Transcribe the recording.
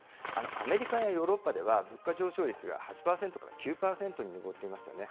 アメリカやヨーロッパでは、物価上昇率が８％から９％に上っていますよね。